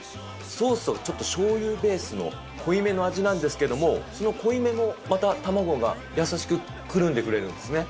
ソースは、ちょっとしょうゆベースの濃いめの味なんですけれども、その濃いめの、また卵が優しくくるんでくれるんですね。